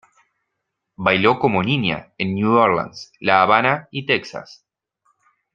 Bailó como niña en New Orleans, La Habana y Texas.